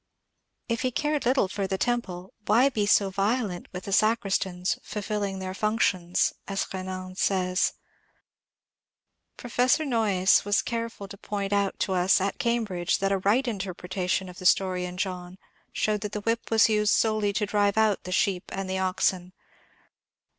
If he cared little for the temple, why be so violent with the '^ sacris tans "^' fulfilling their functions," as Benan says ? Professor Noyes was careful to point out to us at Cambridge that a right interpretation of the story in John showed that the whip was used solely to drive out '^ the sheep and the oxen."